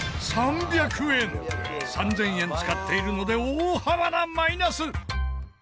３０００円使っているので大幅なマイナス！